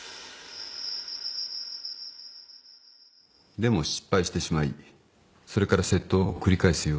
でも失敗してしまいそれから窃盗を繰り返すようになった。